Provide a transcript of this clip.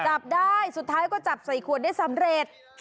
จับได้สุดท้ายก็จับใส่ขวดได้สำเร็จ